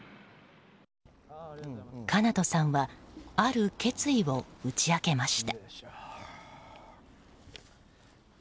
かなとさんはある決意を打ち明けました。